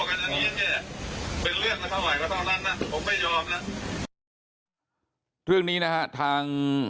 ก็หลังนะเรื่องนี้นะทาง